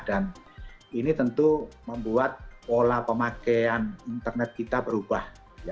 dan ini tentu membuat pola pemakaian internet kita berubah